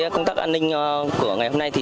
công tác an ninh của ngày hôm nay